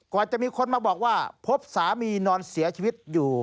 จะมีคนมาบอกว่าพบสามีนอนเสียชีวิตอยู่